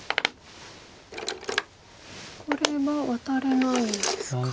これはワタれないんですか。